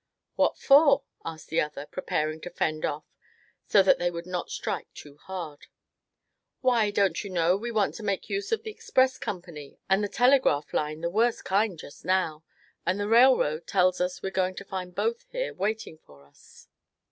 "What for?" asked the other, preparing to fend off, so that they would not strike too hard. "Why, don't you know, we want to make use of the express company and the telegraph line the worst kind just now; and the railroad tells us we're going to find both here waiting for us."